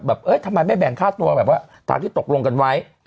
ทำไมไม่แบ่งค่าตัวแบบว่าตามที่ตกลงกันไว้